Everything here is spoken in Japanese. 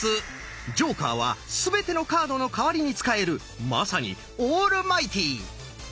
ジョーカーはすべてのカードの代わりに使えるまさにオールマイティー！